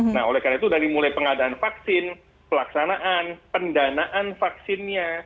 nah oleh karena itu dari mulai pengadaan vaksin pelaksanaan pendanaan vaksinnya